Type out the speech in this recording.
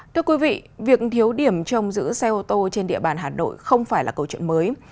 thưa quý vị việc thiếu điểm trồng giữ xe ô tô trên địa bàn hà nội không phải là câu chuyện mới